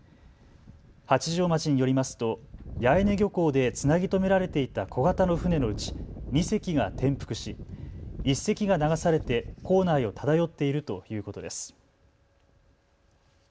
八丈町によりますと八重根漁港でつなぎ止められていた小型の船のうち２隻が転覆し１隻が流されて港内を漂っているということです。